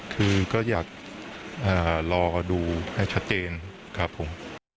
คือก็อยากรอดูให้ชัดเจนครับผม